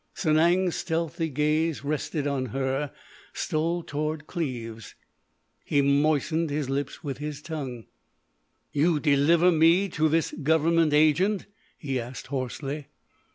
Sanang's stealthy gaze rested on her, stole toward Cleves. He moistened his lips with his tongue. "You deliver me to this government agent?" he asked hoarsely.